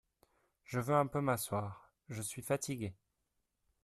Je veux un peu m’asseoir ; je suis fatiguée !